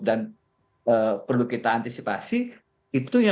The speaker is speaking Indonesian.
dan perlu kita antisipasi itu yang menurut saya penting di lakukan